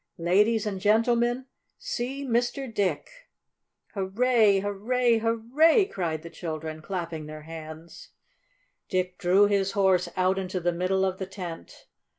Ladies and Gentlemen, see Mr. Dick!" "Hurray! Hurray! Hurray!" cried the children, clapping their hands. Dick drew his horse out into the middle of the tent.